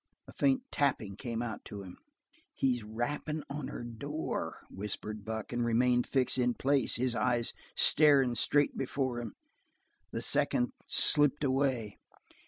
A faint tapping came out to him. "He he's rapping on her door," whispered Buck, and remained fixed in place, his eyes staring straight before him. The seconds slipped away.